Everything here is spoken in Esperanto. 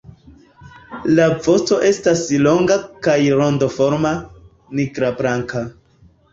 La vosto estas longa kaj rondoforma, nigrablanka.